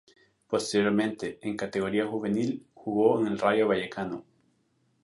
Posteriormente, en categoría Juvenil, jugó en el Rayo Vallecano.